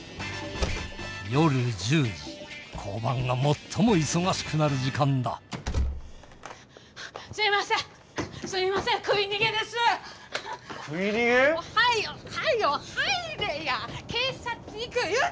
夜１０時交番が最も忙しくなる時間だおにいさんほんまですか？